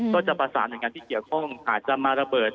ก็จะประสานหน่วยงานที่เกี่ยวข้องอาจจะมาระเบิด